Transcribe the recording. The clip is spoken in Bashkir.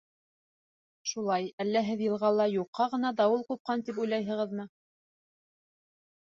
— Шулай, әллә һеҙ йылғала юҡҡа ғына дауыл ҡупҡан тип уйлайһығыҙмы?